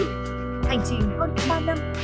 hành trình hơn ba năm